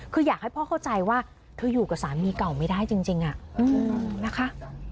คืออยากให้พ่อเข้าใจว่าเธออยู่กับสามีเก่าไม่ได้จริงนะคะ